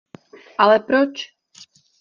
Ale proč?